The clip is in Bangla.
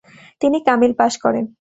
তিনি কামিল পাশ করেন।